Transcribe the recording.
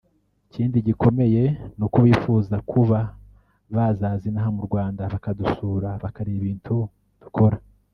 Ikindi gikomeye ni uko bifuza kuba bazaza inaha mu Rwanda bakadusura bakareba ibintu dukora